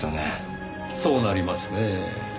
そうなりますねぇ。